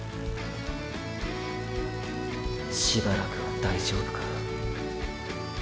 しばらくは大丈夫か